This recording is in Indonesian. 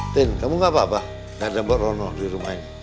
tin kamu gak apa apa nggak ada mbak rono di rumah ini